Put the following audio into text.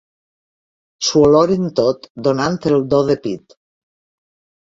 S'ho oloren tot donant el do de pit.